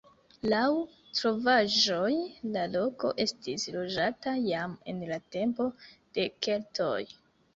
Laŭ trovaĵoj la loko estis loĝata jam en la tempo de keltoj.